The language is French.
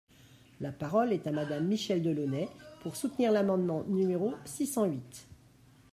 La parole est à Madame Michèle Delaunay, pour soutenir l’amendement numéro six cent huit.